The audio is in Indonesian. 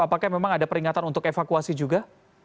apakah memang ada peringatan untuk evakuasi juga